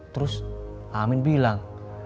terus aamin bilang